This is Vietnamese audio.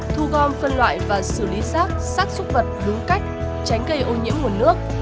thu gom phân loại và xử lý sát xác súc vật đúng cách tránh gây ô nhiễm nguồn nước